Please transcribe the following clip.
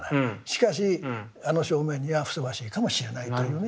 しかしあの正面にはふさわしいかもしれないというね。